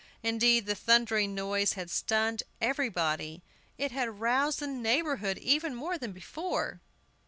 Indeed, the thundering noise had stunned everybody. It had roused the neighborhood even more than before.